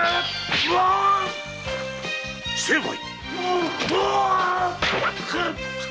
成敗！